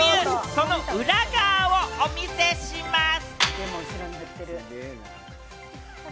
その裏側をお見せします。